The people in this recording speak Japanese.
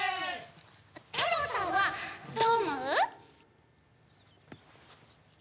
タロウさんはどう思う？